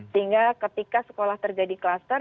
sehingga ketika sekolah terjadi kluster